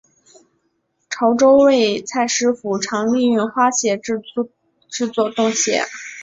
潮洲味菜师傅常利用花蟹制作冻蟹。